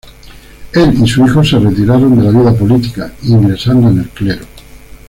Él y su hijo se retiraron de la vida política, ingresando en el clero.